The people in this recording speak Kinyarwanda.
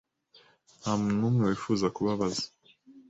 Ntamuntu numwe wifuza kubabaza.